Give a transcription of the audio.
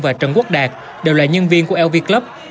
và trần quốc đạt đều là nhân viên của lvi club